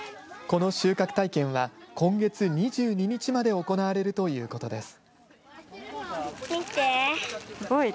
この収穫体験は今月２２日まで行われるということです。